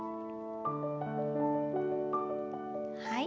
はい。